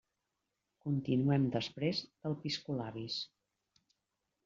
Continuem després del piscolabis.